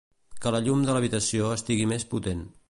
Que el llum de l'habitació estigui més potent.